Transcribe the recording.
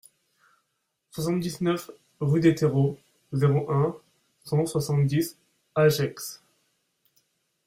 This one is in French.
soixante-dix-neuf rue des Terreaux, zéro un, cent soixante-dix à Gex